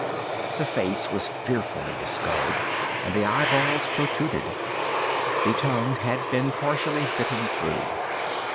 The face was fearfully discolored, and the eye balls protruded. The tongue had been partially bitten through.